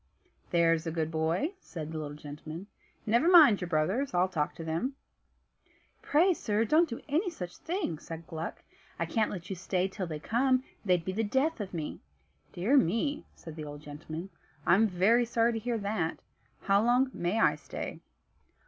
"That's a good boy," said the little gentleman. "Never mind your brothers. I'll talk to them." "Pray, sir, don't do any such thing," said Gluck. "I can't let you stay till they come; they'd be the death of me." "Dear me," said the old gentleman, "I'm very sorry to hear that. How long may I stay?"